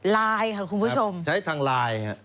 ลายครับคุณผู้ชมใช้ทางลาย